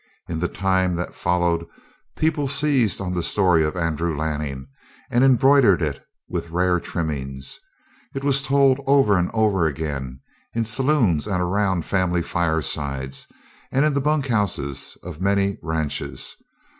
In the time that followed people seized on the story of Andrew Lanning and embroidered it with rare trimmings. It was told over and over again in saloons and around family firesides and in the bunk houses of many ranches.